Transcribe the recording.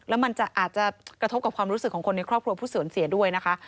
แล้วมันอาจจะกระทบกับความรู้สึกของคนในครอบครัวผู้สูญเสียด้วยนะคะ